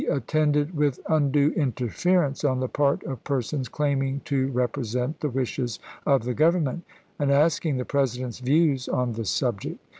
attended with undue interference on the part of persons claiming to represent the wishes of the swann Z . to Lincoln. Grovernment," and asking the President's views on ms. the subject.